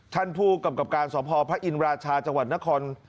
ท่านภูกร์กำกับการสมภาพหญิงราชาจังหวัดนคร